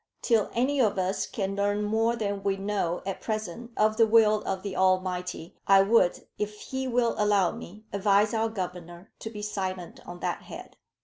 Till any of us can learn more than we know at present of the will of the Almighty, I would, if he will allow me, advise our Governor to be silent on that head.